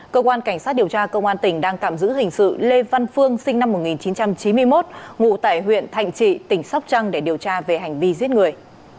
cơ quan cảnh sát điều tra công an tỉnh đang tạm giữ hình sự lê văn phương sinh năm một nghìn chín trăm chín mươi một ngụ tại huyện thạnh trị tỉnh sóc trăng để điều tra về hành vi giết người